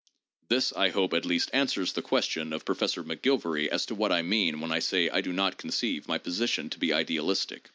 This, I hope, at least answers the question of Professor Mc Gilvary as to what I mean when I say that I do not conceive my position to be idealistic.